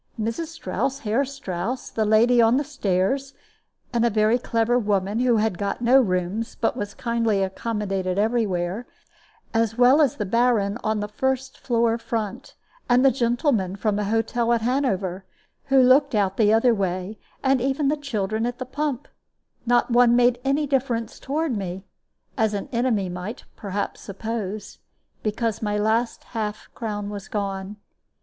Mrs. Strouss, Herr Strouss, the lady on the stairs, and a very clever woman who had got no rooms, but was kindly accommodated every where, as well as the baron on the first floor front, and the gentleman from a hotel at Hanover, who looked out the other way, and even the children at the pump not one made any difference toward me (as an enemy might, perhaps, suppose) because my last half crown was gone.